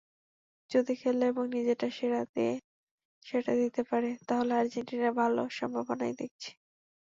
যদি খেলে এবং নিজের সেরাটা দিতে পারেন তাহলে আর্জেন্টিনার ভালো সম্ভাবনাই দেখছি।